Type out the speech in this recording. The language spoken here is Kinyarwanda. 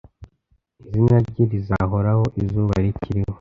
izina rye rizahoraho, izuba rikiriho